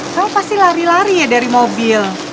kamu pasti lari lari ya dari mobil